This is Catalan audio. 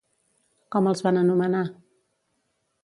Com els van anomenar?